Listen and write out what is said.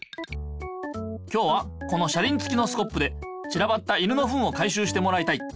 今日はこの車りんつきのスコップでちらばった犬のフンを回しゅうしてもらいたい。